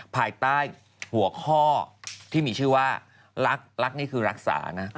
ภายใต้หัวข้อที่มีชื่อว่ารักรักนี่คือรักษานะ